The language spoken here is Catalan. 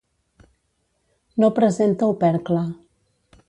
No presenta opercle.